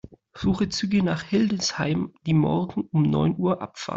Suche Züge nach Hildesheim, die morgen um neun Uhr abfahren.